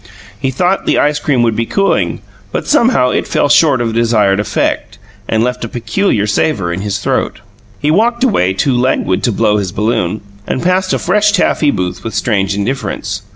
He thought the ice cream would be cooling, but somehow it fell short of the desired effect, and left a peculiar savour in his throat. He walked away, too languid to blow his balloon, and passed a fresh taffy booth with strange indifference.